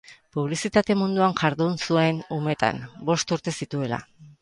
Publizitate munduan jardun zuen umetan, bost urte zituela.